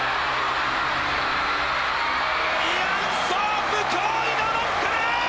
イアン・ソープ驚異の６冠！